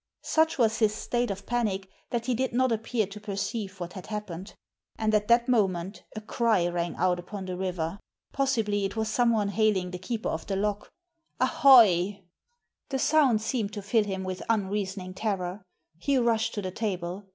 Such was his state of panic that he did not appear to perceive what had happened. And at that moment a cry rang out upon the river — possibly it was someone hailing the keeper of the lock— "Ahoy!" The sound seemed to fill him with unreasoning terror. He rushed to the table.